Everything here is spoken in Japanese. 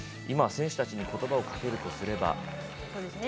今、選手たちにことばをかけるとすれば。